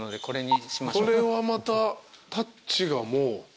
これはまたタッチがもう。